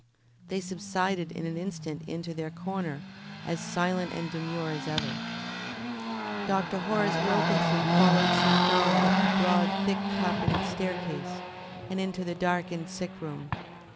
They subsided in an instant into their corner as silent and demure as ever. Dr. Horace Wilkinson followed Sir John up the broad, thick carpeted staircase, and into the darkened sick room.